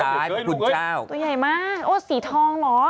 ตายคุณเจ้าตัวใหญ่มากโอ๊ยสีทองเหรอ